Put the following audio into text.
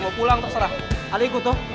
mau pulang terserah alaikuto